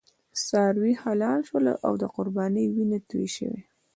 څاروي حلال شول او د قربانۍ وینه توی شوه.